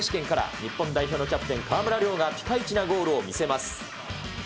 日本代表のキャプテン、川村怜がピカイチなゴールを見せます。